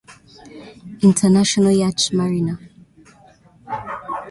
International yacht marina.